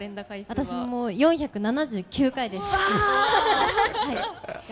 私も４７９回です。